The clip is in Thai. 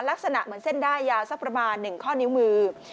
ลักษณะเหมือนเส้นด้ายยาวสักประมาณ๑ข้อนิ้วมือ